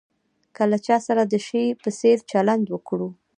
که له چا سره د شي په څېر چلند وکړو.